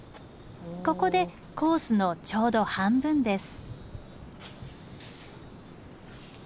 ここでコースのちょうど半分です。